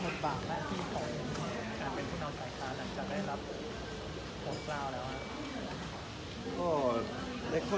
สวัสดีครับ